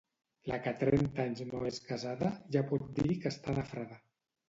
La que a trenta anys no és casada, ja pot dir que està nafrada.